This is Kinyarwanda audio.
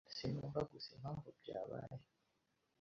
Sinumva gusa impamvu byabaye.